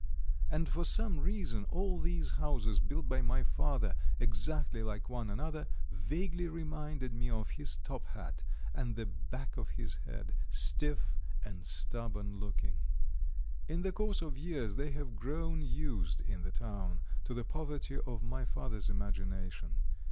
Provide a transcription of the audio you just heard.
And for some reason all these houses, built by my father exactly like one another, vaguely reminded me of his top hat and the back of his head, stiff and stubborn looking. In the course of years they have grown used in the town to the poverty of my father's imagination.